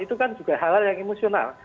itu kan juga hal hal yang emosional